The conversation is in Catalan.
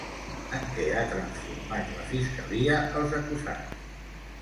En què ha transformat la fiscalia als acusats?